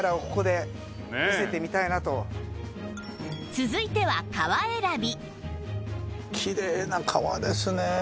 続いては革選び